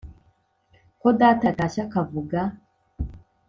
ko data yatashye akavuga